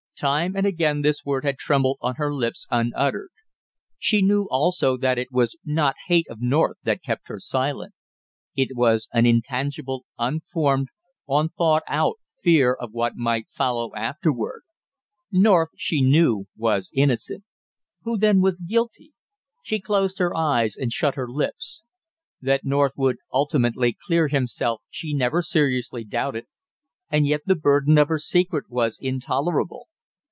Time and again this word had trembled on her lips unuttered. She knew also that it was not hate of North that kept her silent. It was an intangible, unformed, unthoughtout fear of what might follow after. North, she knew, was innocent; who then was guilty? She closed her eyes and shut her lips. That North would ultimately clear himself she never seriously doubted, and yet the burden of her secret was intolerable.